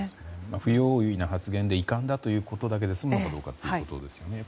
不用意な発言で遺憾だということだけで済むかどうかということですね。